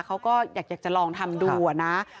เขาก็อยากจะลองทำดูอะนะ